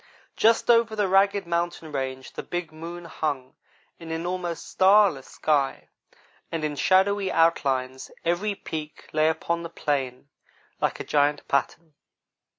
Just over the ragged mountain range the big moon hung in an almost starless sky, and in shadowy outline every peak lay upon the plain like a giant pattern.